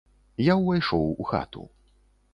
Я ўвайшоў у хату.